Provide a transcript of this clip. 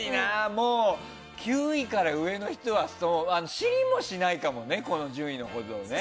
もう９位から上の人は知りもしないかもねこの順位のことをね。